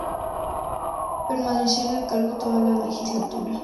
Permaneció en el cargo toda la Legislatura.